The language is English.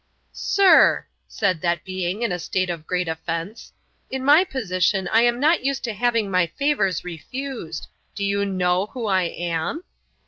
"Sir!" said that being in a state of great offence, "in my position I am not used to having my favours refused. Do you know who I am?"